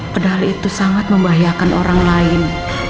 padahal itu sangat membahayakan orang lain